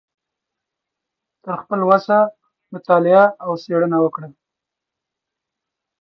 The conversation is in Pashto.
تر خپله وسه مطالعه او څیړنه وکړه